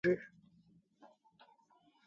چاکلېټ له شیدو جوړېږي.